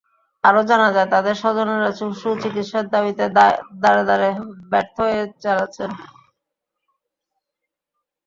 আরও জানা যায়, তাঁদের স্বজনেরা সুচিকিৎসার দাবিতে দ্বারে দ্বারে ব্যর্থ চেষ্টা চালাচ্ছেন।